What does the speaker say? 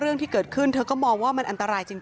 เรื่องที่เกิดขึ้นเธอก็มองว่ามันอันตรายจริง